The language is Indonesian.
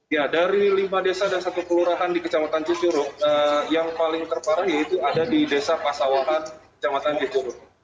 ya dari lima desa dan satu kelurahan di kecamatan cicuruk yang paling terparah yaitu ada di desa pasawahan kecamatan cicuruk